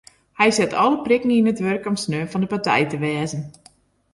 Hy set alle prikken yn it wurk om sneon fan de partij te wêze.